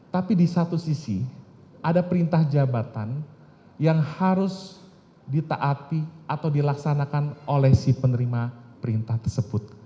tapi di satu sisi ada perintah jabatan yang harus ditaati atau dilaksanakan oleh si penerima perintah tersebut